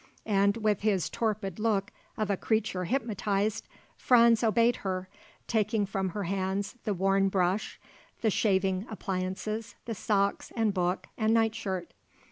And, with his torpid look of a creature hypnotized, Franz obeyed her, taking from her hands the worn brush, the shaving appliances, the socks and book and nightshirt.